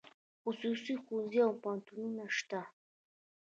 خصوصي ښوونځي او پوهنتونونه شته